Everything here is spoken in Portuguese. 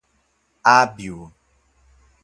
hábil